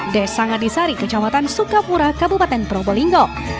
dan sangat disari kejawatan sukapura kabupaten probolinggo